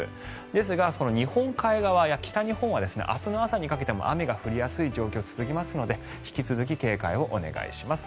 ですが、日本海側や北日本は明日の朝にかけても雨が降りやすい状況が続きますので引き続き警戒をお願いします。